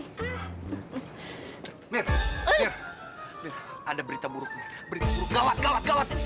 mir mir ada berita buruk mir berita buruk gawat gawat gawat